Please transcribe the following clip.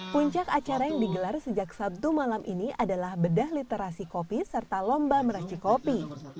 puncak acara yang digelar sejak sabtu malam ini adalah bedah literasi kopi serta lomba meracik kopi